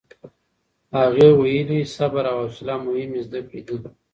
هغې ویلي، صبر او حوصله مهمې زده کړې دي.